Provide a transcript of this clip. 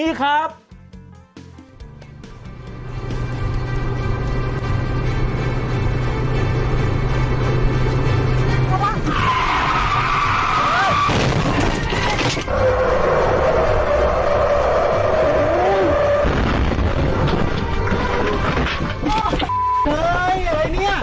โอ้โหโอ้โห